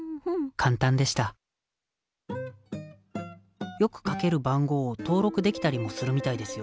簡単でしたよくかける番号を登録できたりもするみたいですよ。